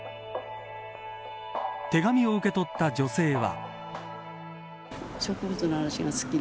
手紙を受け取った女性は。